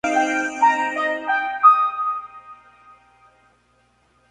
La prensa inglesa ya habla de una posible "segunda batalla".